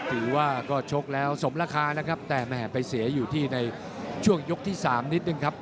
ถือว่าก็ชกแล้วสมราคานะครับแต่แหมไปเสียอยู่ที่ในช่วงยกที่สามนิดนึงครับ